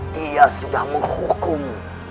dia sudah menghukum